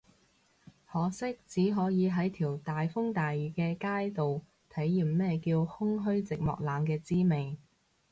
可惜只可以喺條大風大雨嘅街度體驗咩叫空虛寂寞凍嘅滋味